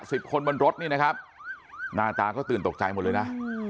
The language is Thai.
สิบคนบนรถนี่นะครับหน้าตาก็ตื่นตกใจหมดเลยนะ